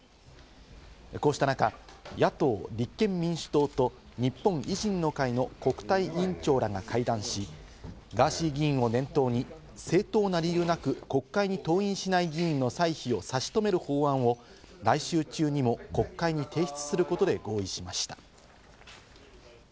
こうした中、野党・立憲民主党と、日本維新の会の国対委員長らが会談し、ガーシー議員を念頭に、正当な理由なく国会に登院しない議員の歳費を差し止める法案を来週中にも国会に提出することで合意しました。